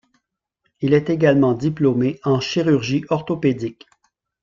Il est également diplômé en chirurgie orthopédique.